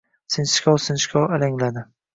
Sinchkov-sinchkov alangladi.